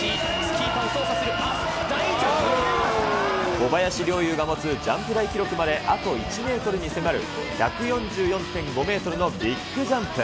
小林陵侑が持つジャンプ台記録まであと１メートルに迫る、１４４．５メートルのビッグジャンプ。